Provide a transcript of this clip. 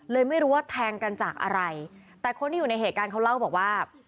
ไม่รู้ว่าแทงกันจากอะไรแต่คนที่อยู่ในเหตุการณ์เขาเล่าบอกว่า